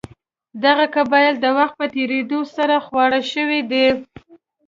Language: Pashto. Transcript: دغه قبایل د وخت په تېرېدو سره خواره شوي دي.